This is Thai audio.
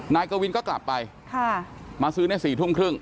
นายกวินก็กลับไปมาซื้อใน๔ทุ่มครึ่ง